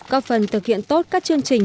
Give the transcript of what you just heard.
có phần thực hiện tốt các chương trình